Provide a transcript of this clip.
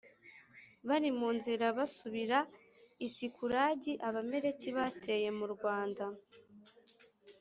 bari mu nzira basubira i Sikulagi Abamaleki bateye murwanda